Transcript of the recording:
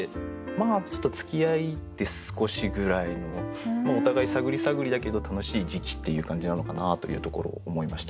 ちょっとつきあって少しぐらいのお互い探り探りだけど楽しい時期っていう感じなのかなというところを思いました。